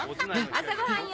朝ごはんよ。